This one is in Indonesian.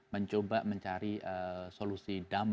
mencoba mencari solusi damai